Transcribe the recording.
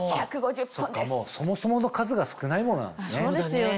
そっかもうそもそもの数が少ないものなんですね。